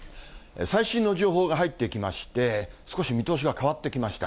最新の情報が入ってきまして、少し見通しが変わってきました。